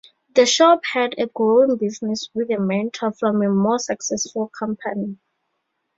The show paired a growing business with a mentor from a more successful company.